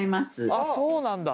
あっそうなんだ。